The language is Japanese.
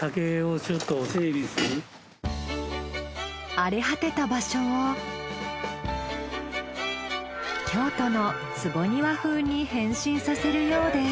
荒れ果てた場所を京都の坪庭風に変身させるようです。